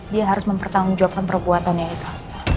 dia harus mempertanggung jawabkan perbuatannya itu